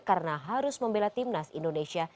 karena harus membela timnas indonesia